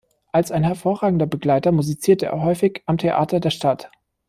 Als ein hervorragender Begleiter musizierte er häufig am Theater der Stadt.